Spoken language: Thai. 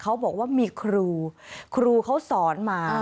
เขาบอกว่ามีครูครูเขาสอนมา